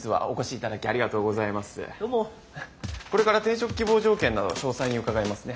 これから転職希望条件など詳細に伺いますね。